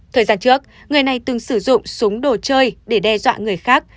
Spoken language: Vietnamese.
thời gian trước người này từng sử dụng súng đồ chơi để đe dọa người khác